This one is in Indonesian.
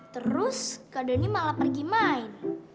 terus kak denny malah pergi main